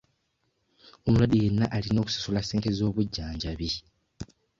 Omulwadde yenna alina okusasula ssente z'obujjanjabi.